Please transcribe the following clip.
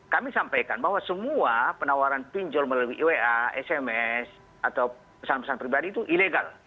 kami sampaikan bahwa semua penawaran pinjol melalui wa sms atau pesan pesan pribadi itu ilegal